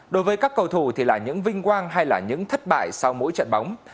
đối với các cầu thủ thì là những vinh quang hay là những thất bại sau mỗi trận bóng